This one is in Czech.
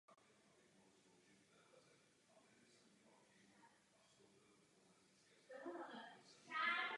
Typicky je považujeme za vzácné.